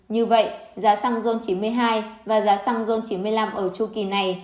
như vậy giá xăng zon chín mươi hai và giá xăng zon chín mươi năm ở chu kỳ này